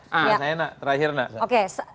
nah saya nak terakhir nak